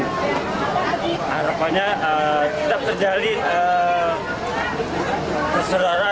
kami berharap semoga tidak terjadi keseraran